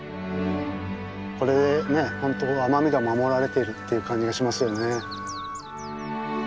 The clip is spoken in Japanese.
これね本当奄美が守られてるっていう感じがしますよね。